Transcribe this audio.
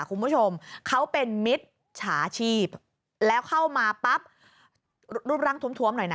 คุณผู้ชมเขาเป็นมิตรฉาชีพแล้วเข้ามาปั๊บรูปร่างท้วมหน่อยนะ